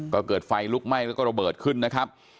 ก็เกิดไฟลุกไหม้แล้วก็ระเบิดขึ้นนะครับ